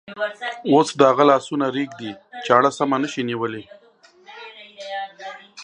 اوس د هغه لاسونه رېږدي، چاړه سمه نشي نیولی.